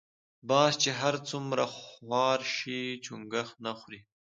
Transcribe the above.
باز چی هر څومره خوار شی چونګښی نه خوري .